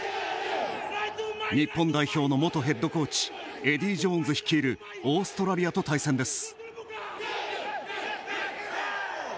日本代表の元ヘッドコーチエディー・ジョーンズ率いるオーストラリアと対戦です。